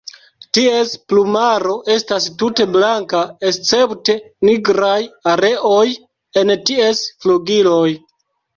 Ties plumaro estas tute blanka escepte nigraj areoj en ties flugiloj.